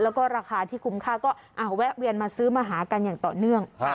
แล้วก็ราคาที่คุ้มค่าก็แวะเวียนมาซื้อมาหากันอย่างต่อเนื่อง